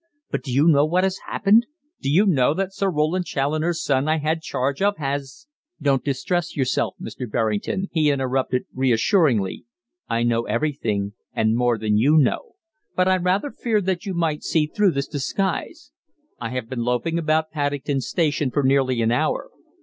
"But do you know what has happened do you know that Sir Roland Challoner's son I had charge of has " "Don't distress yourself, Mr. Berrington," he interrupted reassuringly, "I know everything, and more than you know, but I rather feared that you might see through this disguise. I have been loafing about Paddington station for nearly an hour.